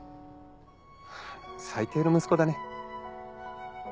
ハァ最低の息子だね。